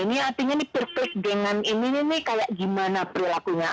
ini artinya nih peer click gengan ini nih kayak gimana perilakunya